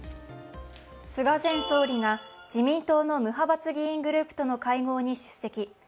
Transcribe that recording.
菅前総理が自民党の無派閥議員グループとの会合に出席。